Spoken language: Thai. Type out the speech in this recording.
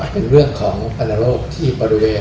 เป็นพันโลกที่มีบริเวณ